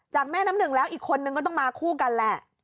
แม่น้ำหนึ่งแล้วอีกคนนึงก็ต้องมาคู่กันแหละ